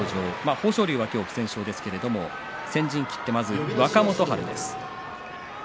豊昇龍は今日不戦勝ですが先陣を切ってまず若元春です。